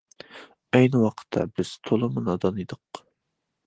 ئەينى ۋاقىتتا بىز تولىمۇ نادان ئىدۇق.